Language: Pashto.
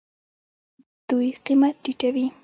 دوی قیمت ټیټوي.